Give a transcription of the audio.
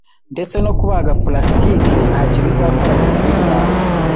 Ndetse no kubaga plastique ntacyo bizakora kububi bwawe.